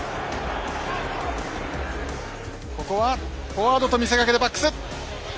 ここはフォワードと見せかけてバックス！